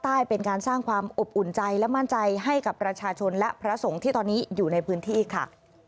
ใต้เป็นการสร้างความอบอุ่นใจและมั่นใจให้กับประชาชนและพระสงฆ์ที่ตอนนี้อยู่ในพื้นที่ค่ะ